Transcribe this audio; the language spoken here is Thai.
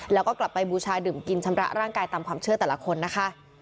แล้วก็กลับไปบูชาดื่มกินชำระร่างกายตามความเชื่อแต่ละคนนะคะ